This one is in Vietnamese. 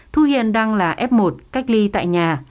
thu hiện đang là f một cách ly tại nhà